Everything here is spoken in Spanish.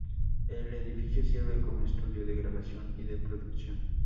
El edificio sirve como estudio de grabación y de producción.